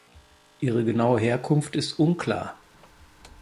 Ihre genaue Herkunft ist unklar.